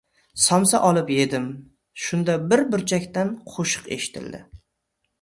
Somsa olib yedim. Shunda bir burchakdan qo‘shiq eshitildi.